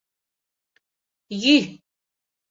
— Йӱ!